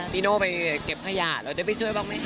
ปีโนไปเก็บขยะเราได้ไปช่วยบ้างไหมคะ